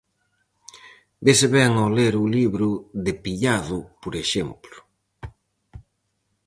Vese ben ao ler o libro de Pillado, por exemplo.